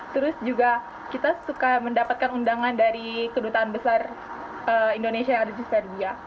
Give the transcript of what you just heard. terus juga kita suka mendapatkan undangan dari kedutaan besar indonesia yang ada di serbia